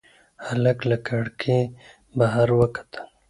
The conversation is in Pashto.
هلک له کړکۍ بهر وکتل.